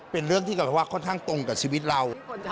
เป็นเรื่องที่เราว่าค่อนข้างตรงกับชีวิตเรา